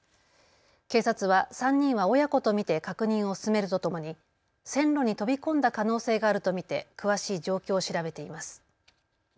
警察は３人は親子と見て確認を進めるとともに線路に飛び込んだ可能性があると見て詳しい状況を調べています。